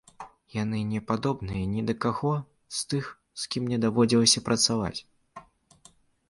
Яны не падобныя ні да каго з тых, з кім мне даводзілася працаваць.